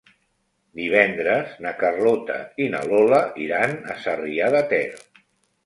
Divendres na Carlota i na Lola iran a Sarrià de Ter.